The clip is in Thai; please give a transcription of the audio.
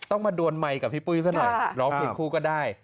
มาดวนไมค์กับพี่ปุ้ยซะหน่อยร้องเพลงคู่ก็ได้